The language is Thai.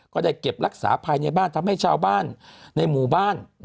ก็ได้เก็บรักษาภายในบ้านทำให้ชาวบ้านในหมู่บ้าน